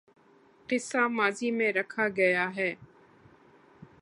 قصہ ماضی میں رکھا کیا ہے